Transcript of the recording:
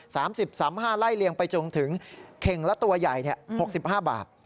๓๐สาม๕ไร่เลี้ยงไปจงถึงเขงและตัวใหญ่๖๕บาท